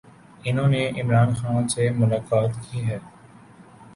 انھوں نے عمران خان سے ملاقات کی ہے۔